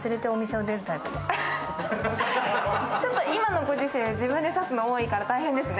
今のご時世、自分で差すのが多いから大変ですね。